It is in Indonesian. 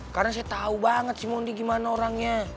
karena saya tau banget si mondi gimana orangnya